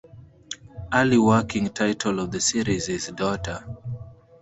Early working title of the series is "Daughter".